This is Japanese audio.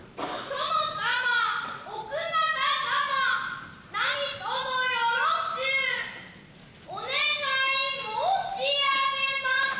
殿様奥方様何とぞよろしゅうお願い申し上げまする。